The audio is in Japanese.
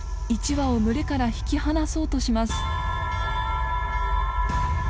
１羽を群れから引き離そうとします。